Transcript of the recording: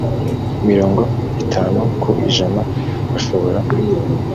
mirongo itanu ku ijana bashobora